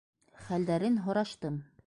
Хәлдәрен һораштым.